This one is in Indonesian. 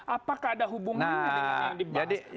apakah ada hubungan ini dengan yang dibahas